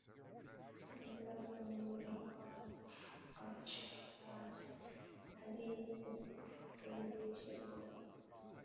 The year saw the first upsurge against British rule.